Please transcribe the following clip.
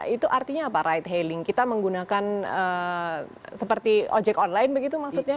itu artinya apa ride hailing kita menggunakan seperti ojek online begitu maksudnya